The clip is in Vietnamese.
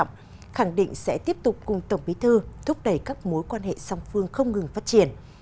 tổng bí thư nguyễn phú trọng khẳng định sẽ tiếp tục cùng tổng bí thư thúc đẩy các mối quan hệ song phương không ngừng phát triển